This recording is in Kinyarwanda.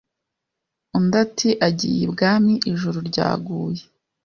Undi ati agiye ibwami ijuru ryaguye